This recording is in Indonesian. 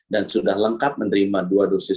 dan sudah lengkap menerima dua dosis